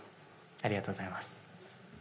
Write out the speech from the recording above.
ありがとうございます。